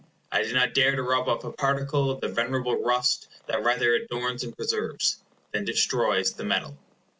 —I did not dare to rub off a particle of the venerable rust that rather adorns and preserves, than destroys, the metal.